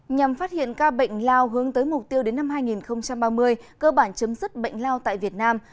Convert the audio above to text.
nhằm phát hiện ca bệnh lao hướng tới mục tiêu đến năm hai nghìn ba mươi cơ bản chấm dứt bệnh lao tại việt nam